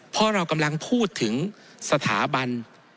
เพราะเรากำลังพูดถึงสถาบัน